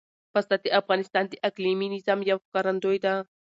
پسه د افغانستان د اقلیمي نظام یو ښکارندوی ده.